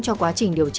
cho quá trình điều tra